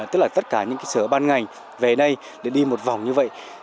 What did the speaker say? tức là tất cả những sở ban ngành về đây để đi một vòng như vậy